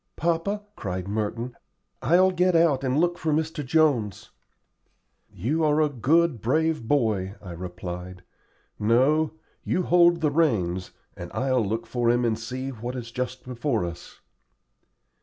"Papa," cried Merton, "I'll get out and look for Mr. Jones." "You are a good, brave boy," I replied. "No; you hold the reins, and I'll look for him and see what is just before us."